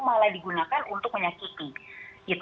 malah digunakan untuk menyakiti